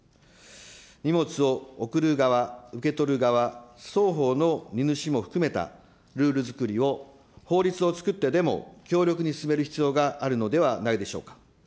荷物を送る側、受け取る側、双方の荷主も含めたルール作りを、法律を作ってでも強力に進める必要があるのではないでしょうか。